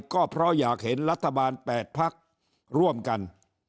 ก็เพราะอยากเห็นรัฐบาล๘พักร่วมกัน